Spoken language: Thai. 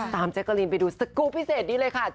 ตามไจ้กะรีนไปดูสกรูปพิเศษดี้เลยครับ